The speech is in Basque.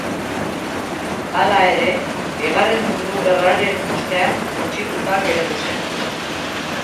Hala ere, Bigarren Mundu Gerraren ostean suntsituta geratu zen.